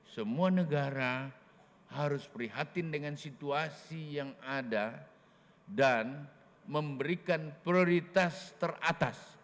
semua negara harus prihatin dengan situasi yang ada dan memberikan prioritas teratas